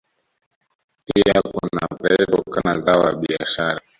Pia kuna pareto kama zao la biashara